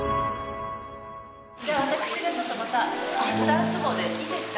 じゃあ私がちょっとまたディスタンス捧でいいですか？